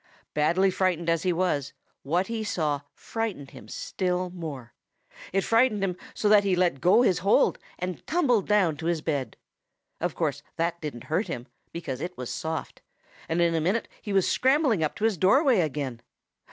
Badly frightened as he was, what he saw frightened him still more. It frightened him so that he let go his hold and tumbled down to his bed. Of course that didn't hurt him, because it was soft, and in a minute he was scrambling up to his doorway again.